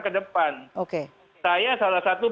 ke depan oke saya salah satu